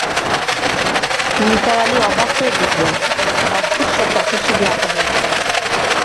নিসার আলি অবাক হয়ে দেখলেন, অদ্ভুত সব গাছের ছবি আঁকা হয়েছে।